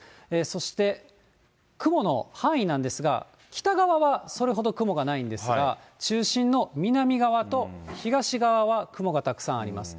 そして雲の範囲なんですが、北側はそれほど雲がないんですが、中心の南側と東側は雲がたくさんあります。